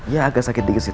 ya agak sakit dikit sih